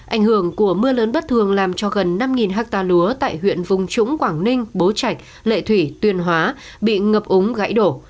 ảnh hưởng của mưa lớn bất thường làm cho gần năm hectare lúa tại huyện vùng trũng quảng ninh bố trạch lệ thủy tuyên hóa bị ngập úng gãy đổ